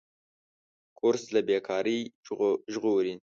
کورس له بېکارۍ ژغوري.